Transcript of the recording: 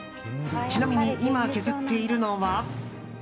ちなみに今、削っているのは。